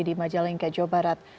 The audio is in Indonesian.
di majalengka jawa barat